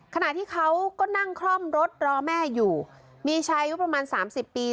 ขณะที่เขาก็นั่งคร่อมรถรอแม่อยู่มีชายว่าประมาณ๓๐ปี